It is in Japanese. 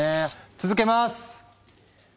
続けます。